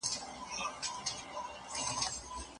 د تجربې لپاره وسیله کې بدلونونه راوستل شوي وو.